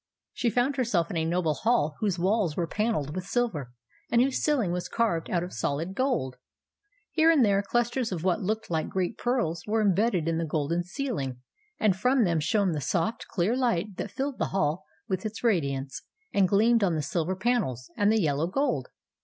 She found herself in a noble hall whose walls were panelled with silver, and whose ceiling was carved out of solid gold. Here and there, clusters of what looked like great pearls were embedded in the golden ceiling, and from them shone the soft, clear light that filled the hall with its radiance, and gleamed on the silver panels and the yellow gold.